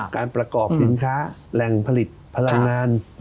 การประกอบสินค้าแหล่งผลิตพลังงาน